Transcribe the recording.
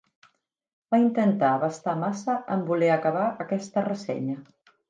Va intentar abastar massa en voler acabar aquesta ressenya.